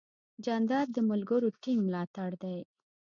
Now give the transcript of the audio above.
جانداد د ملګرو ټینګ ملاتړ دی.